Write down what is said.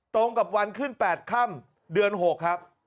ตรงกับวันขึ้น๘ค่ำเดือน๖ครับ